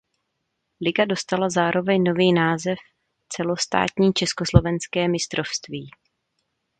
Liga dostala zároveň nový název "Celostátní československé mistrovství".